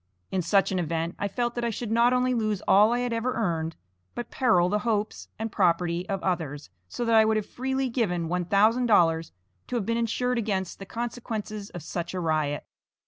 In such an event I felt that I should not only lose all I had ever earned, but peril the hopes and property of others, so that I would have freely given one thousand dollars to have been insured against the consequences of such a riot.